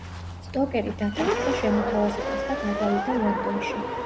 სტოკერი დათანხმდა შემოთავაზებას და გადავიდა ლონდონში.